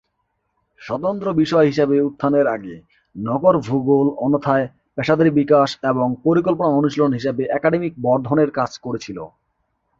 স্বতন্ত্র বিষয় হিসাবে উত্থানের আগে, নগর ভূগোল অন্যথায় পেশাদারী বিকাশ এবং পরিকল্পনা অনুশীলন হিসাবে একাডেমিক বর্ধনের কাজ করেছিল।